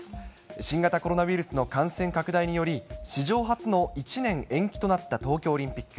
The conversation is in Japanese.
新型コロナウイルスの感染拡大により、史上初の１年延期となった東京オリンピック。